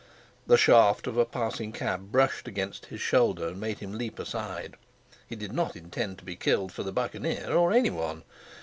The shaft of a passing cab brushed against his shoulder and made him leap aside. He did not intend to be killed for the Buccaneer, or anyone.